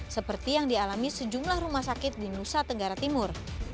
seperti yang dialami sejumlah rumah sakit di nusa tenggara timur